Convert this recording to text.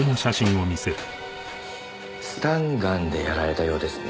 スタンガンでやられたようですね。